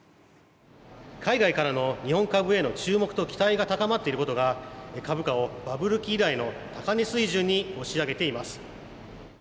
海外からの日本株への注目と期待が高まっていることが株価をバブル期以来の高値水準に押し上げています。